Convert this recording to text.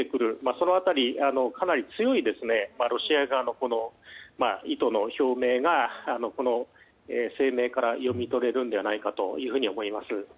その辺り、かなり強いロシア側の意図の表明が声明から読み取れるのではないかと思います。